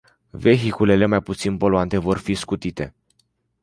Vehiculele mai puțin poluante vor fi scutite.